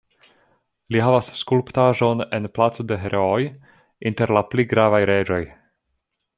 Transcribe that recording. Li havas skulptaĵon en Placo de Herooj inter la pli gravaj reĝoj.